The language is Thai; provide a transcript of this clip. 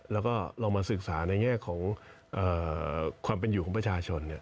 แล้วก็ลองมาศึกษาในแง่ของความเป็นอยู่ของประชาชน